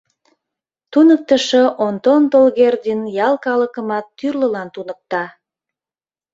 Туныктышо Онтон Толгердин ял калыкымат тӱрлылан туныкта!